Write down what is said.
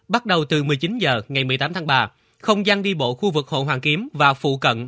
bắt đầu từ một mươi chín h ngày một mươi tám tháng ba không gian đi bộ khu vực hồ hoàn kiếm và phụ cận